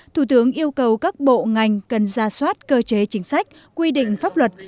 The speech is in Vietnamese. thủ tướng yêu cầu các bộ ngành cần ra soát cơ chế chính sách quy định pháp luật